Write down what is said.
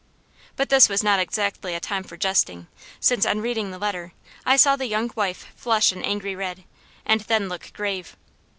But this was not exactly a time for jesting, since, on reading the letter, I saw the young wife flush an angry red, and then look grave.